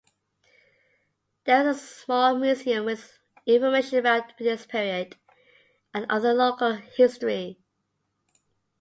There is a small museum with information about this period and other local history.